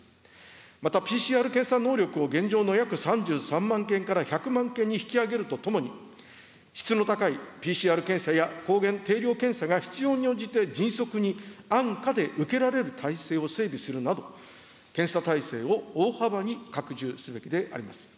また、ＰＣＲ検査能力を現状の約３３万件から１００万件に引き上げるとともに、質の高いＰＣＲ検査や抗原定量検査が必要に応じて迅速に安価で受けられる体制を整備するなど、検査体制を大幅に拡充すべきであります。